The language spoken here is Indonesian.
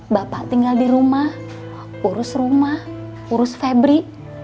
bapak tinggal di rumah urus rumah urus febri